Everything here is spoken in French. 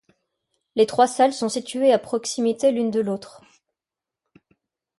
Les trois salles sont situées à proximité l'une de l'autre.